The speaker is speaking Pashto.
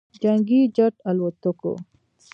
جنګي جت الوتکو